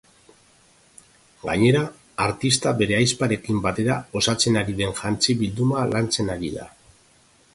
Gainera, artista bere ahizparekin batera osatzen ari den jantzi-bilduma lantzen ari da.